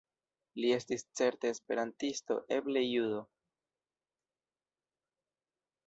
Li estis certe esperantisto, eble judo.